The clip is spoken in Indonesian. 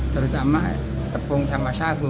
terutama tepung sama sagu